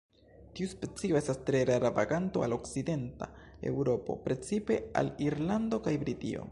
Tiu specio estas tre rara vaganto al okcidenta Eŭropo, precipe al Irlando kaj Britio.